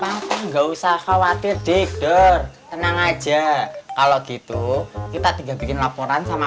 nggak mau nggak usah khawatir tidur tenang aja kalau gitu kita tiga bikin laporan sama